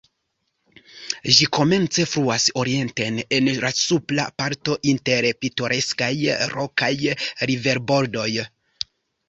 Ĝi komence fluas orienten, en la supra parto inter pitoreskaj, rokaj riverbordoj.